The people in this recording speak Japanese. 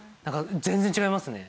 全然違いますね。